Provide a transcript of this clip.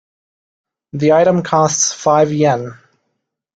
The item costs five Yen.